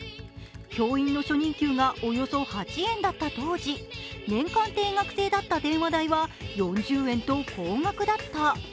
教員の初任給がおよそ８円だった当時、年間定額制だった電話代は４０円と高額だった。